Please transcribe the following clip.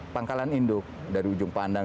pangkalan induk dari ujung pandang